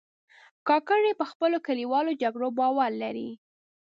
کاکړي په خپلو کلیوالو جرګو باور لري.